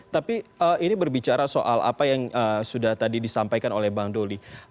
tapi ini berbicara soal apa yang sudah tadi disampaikan oleh bang doli